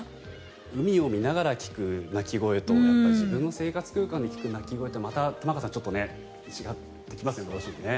海を見ながら聞く鳴き声と自分の生活空間で聞く鳴き声はまた玉川さんちょっと違ってきますよね。